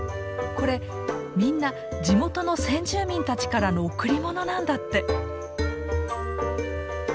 これみんな地元の先住民たちからの贈り物なんだって。